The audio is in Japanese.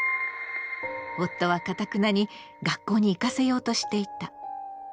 夫はかたくなに学校に行かせようとしていた。